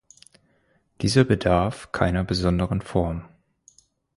Dieser bedarf keiner besonderen Form.